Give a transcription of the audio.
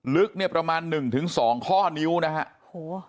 ลึกประมาณ๑ถึง๒ข้อนิ้วนะครับ